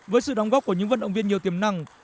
với sự đóng góp của những vận động viên nhiều tiềm năng